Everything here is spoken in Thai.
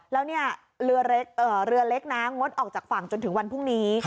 แล้วเรือเล็กนะงดออกจากฝั่งจนถึงวันพรุ่งนี้